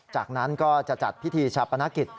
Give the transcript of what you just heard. จากนั้นก็จะจัดพิธีชาปนกิจ